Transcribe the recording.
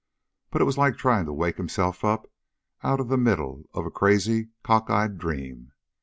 But it was like trying to wake himself up out of the middle of a crazy, cockeyed dream.